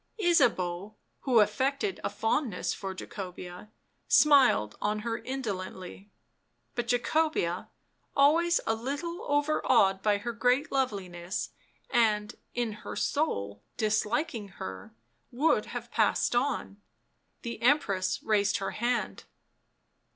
Ysabeau, who affected a fondness for Jacobea, smiled on her indolently, but Jacobea, always a little overawed by her great loveliness, and, in her soul, dis liking her, would have passed on. The Empress raised her hand.